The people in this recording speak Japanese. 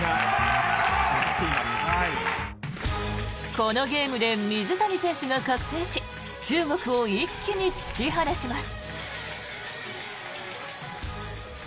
このゲームで水谷選手が覚醒し中国を一気に突き放します。